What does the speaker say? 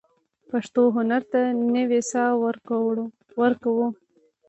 پښتو هنر ته نوې ساه ورکړو.